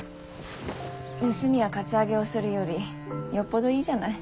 盗みやカツアゲをするよりよっぽどいいじゃない。